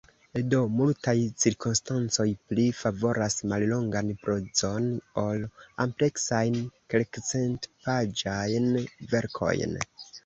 Do, multaj cirkonstancoj pli favoras mallongan prozon ol ampleksajn, kelkcentpaĝajn verkojn.